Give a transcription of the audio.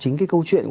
không có ý định